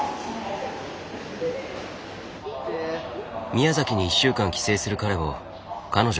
宮崎に１週間帰省する彼を彼女がお見送り。